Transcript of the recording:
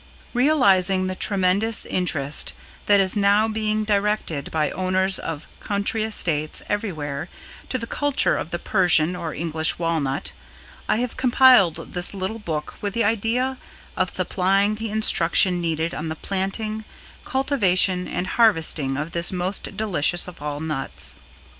_ Realizing the tremendous interest that is now being directed by owners of country estates everywhere to the culture of the Persian or English Walnut, I have compiled this little book with the idea of supplying the instruction needed on the planting, cultivation and harvesting of this most delicious of all nuts.